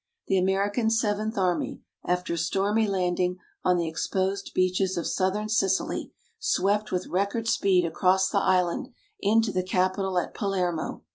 The American Seventh Army, after a stormy landing on the exposed beaches of southern Sicily, swept with record speed across the island into the capital at Palermo.